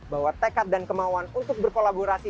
bahwa tekad dan kemauan untuk berkolaborasi